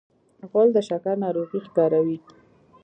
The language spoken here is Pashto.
غول د شکر ناروغي ښکاروي.